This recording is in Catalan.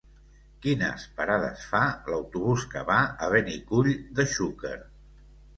Quines parades fa l'autobús que va a Benicull de Xúquer?